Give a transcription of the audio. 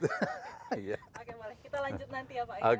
oke boleh kita lanjut nanti ya pak